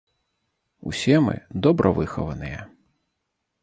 Усе мы добра выхаваныя.